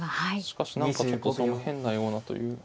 しかし何かちょっとそれも変なようなという。